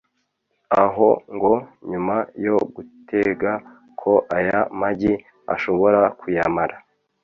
aho ngo nyuma yo gutega ko aya magi ashobora kuyamara